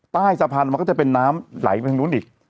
ใต้สะพานมันก็จะเป็นน้ำไหลไปทางนู้นอีก